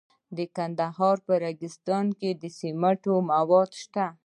د کندهار په ریګستان کې د سمنټو مواد شته.